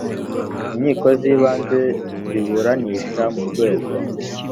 inkiko z ibanze ziburanisha mu rwego